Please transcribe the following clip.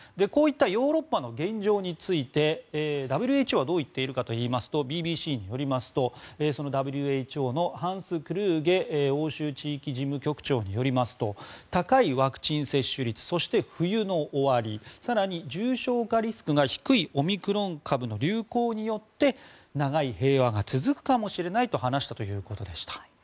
こういったヨーロッパの現状についてＷＨＯはどう言っているかといいますとＢＢＣによりますとＷＨＯのハンス・クルーゲ欧州地域事務局長によりますと高いワクチン接種率そして、冬の終わり更に重症化リスクが低いオミクロン株の流行によって長い平和が続くかもしれないと話したということでした。